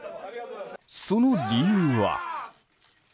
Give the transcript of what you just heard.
その理由は。